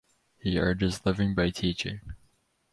He earned his living by teaching.